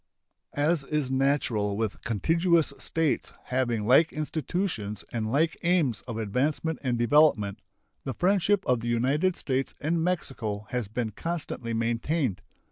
As is natural with contiguous states having like institutions and like aims of advancement and development, the friendship of the United States and Mexico has been constantly maintained.